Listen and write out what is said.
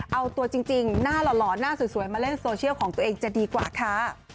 เอาตัวจริงหน้าหล่อหน้าสวยมาเล่นโซเชียลของตัวเองจะดีกว่าค่ะ